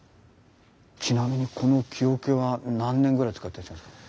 ちなみにこの木桶は何年ぐらい使ってらっしゃるんですか？